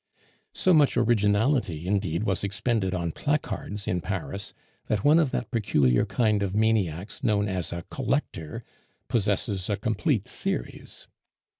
So much originality indeed was expended on placards in Paris, that one of that peculiar kind of maniacs, known as a collector, possesses a complete series.